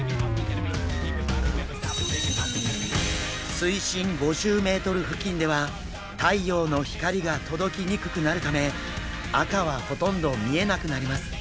水深５０ｍ付近では太陽の光が届きにくくなるため赤はほとんど見えなくなります。